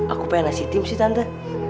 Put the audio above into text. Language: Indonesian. aku pengen ngasih tim sih tante